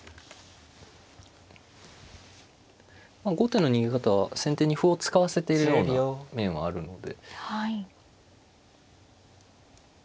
後手の逃げ方は先手に歩を使わせているような面はあるので。